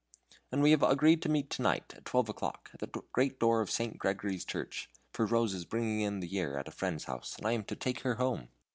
And we have agreed to meet to night, at twelve o'clock, at the great door of St. Gregory's Church, for Rose is bringing in the year at a friend's house, and I am to take her home."